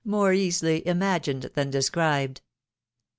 more easily imagined than described.